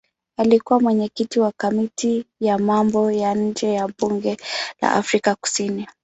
Alikuwa mwenyekiti wa kamati ya mambo ya nje ya bunge la Afrika Kusini.